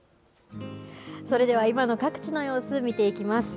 それでは今の各地の様子、見ていきます。